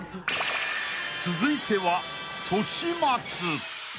［続いてはソシ松］